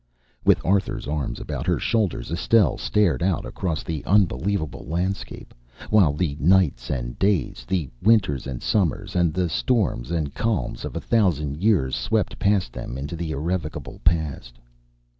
With Arthur's arms about her shoulders, Estelle stared out across the unbelievable landscape, while the nights and days, the winters and summers, and the storms and calms of a thousand years swept past them into the irrevocable past.